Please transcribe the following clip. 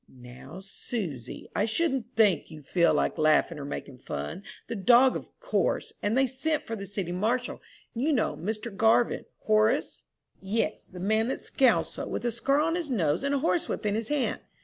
"Now, Susy, I shouldn't think you'd feel like laughing or making fun. The dog, of course; and they sent for the city marshal. You know Mr. Garvin, Horace?" "Yes, the man that scowls so, with the scar on his nose, and a horse whip in his hand."